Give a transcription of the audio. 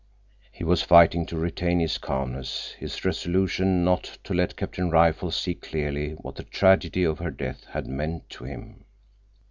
He was fighting to retain his calmness, his resolution not to let Captain Rifle see clearly what the tragedy of her death had meant to him.